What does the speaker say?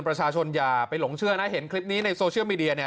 นประชาชนยาไปหลงเชื่อน่ะเห็นกริปนี้ในโซเชียแมดีอ่ะ